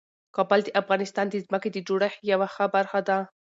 کابل د افغانستان د ځمکې د جوړښت یوه ښه نښه ده.